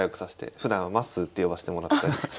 ふだんはまっすーって呼ばせてもらってます。